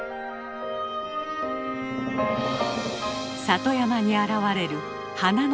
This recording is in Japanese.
里山に現れる花の絶景。